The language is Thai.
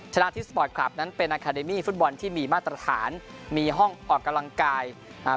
ชนะที่สปอร์ตคลับนั้นเป็นอาคาเดมี่ฟุตบอลที่มีมาตรฐานมีห้องออกกำลังกายอ่า